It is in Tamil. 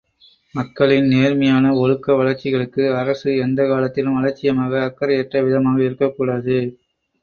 மக்களின் நேர்மையான ஒழுக்க வளர்ச்சிகளுக்கு அரசு எந்தக் காலத்திலும் அலட்சியமாக, அக்கரையற்ற விதமாக இருக்கக் கூடாது.